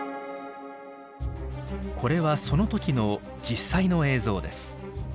これはその時の実際の映像です。